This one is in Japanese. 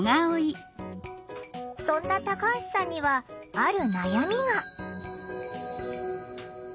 そんなタカハシさんにはある悩みが。